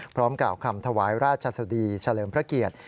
กล่าวคำถวายราชสดีเฉลิมพระเกียรติ